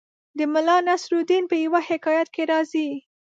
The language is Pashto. د ملا نصرالدین په یوه حکایت کې راځي